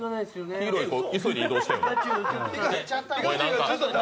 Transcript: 黄色い子、急いで移動したよね。